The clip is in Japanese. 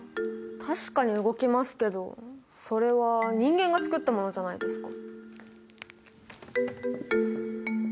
確かに動きますけどそれは人間が作ったものじゃないですか。